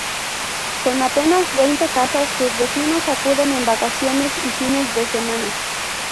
Con apenas veinte casas, sus vecinos acuden en vacaciones y fines de semana.